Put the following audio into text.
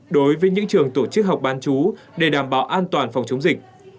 đối với những trường tổ chức học bán chú để đảm bảo an toàn phòng chống dịch